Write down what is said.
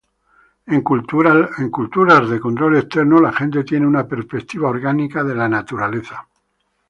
En culturas de control externo, la gente tiene una perspectiva orgánica de la naturaleza.